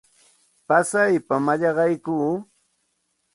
Pasaypam mallaqaykuu.